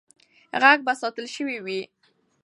غږ به ساتل سوی وي.